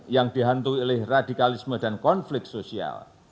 yang dihantui oleh radikalisme dan konflik sosial